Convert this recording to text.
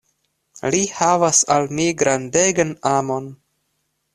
Li havas al mi grandegan amon.